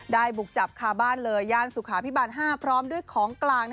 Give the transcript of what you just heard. บุกจับคาบ้านเลยย่านสุขาพิบาล๕พร้อมด้วยของกลาง